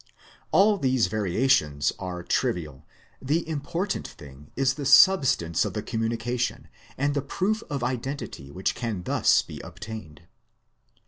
All these variations are trivial: the important thing is the substance of the communi cation, and the proof of identity which can thus be obtained.